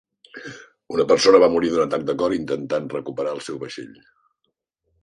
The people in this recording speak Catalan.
Una persona va morir d'un atac de cor intentant recuperar el seu vaixell.